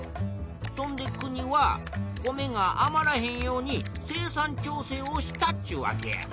そんで国は米があまらへんように生産調整をしたっちゅうわけや。